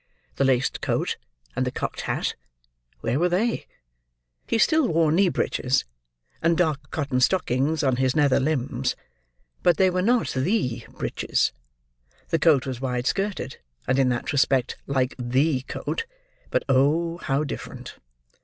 The laced coat, and the cocked hat; where were they? He still wore knee breeches, and dark cotton stockings on his nether limbs; but they were not the breeches. The coat was wide skirted; and in that respect like the coat, but, oh how different!